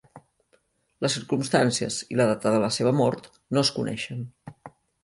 Les circumstàncies i la data de la seva mort no es coneixen.